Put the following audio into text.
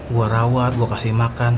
gue rawat gue kasih makan